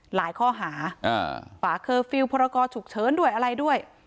หลายข้อหาอ่าฟาเคอร์ฟิลประกอบฉุกเฉินด้วยอะไรด้วย